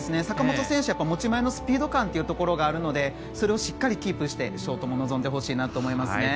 坂本選手は持ち前のスピード感があるのでそれをしっかりキープしてショートも臨んでほしいです。